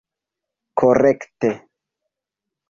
korekte